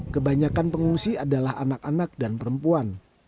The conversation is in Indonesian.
kebanyakan pengungsi adalah anak anak dan perempuan